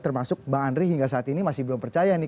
termasuk bang andri hingga saat ini masih belum percaya nih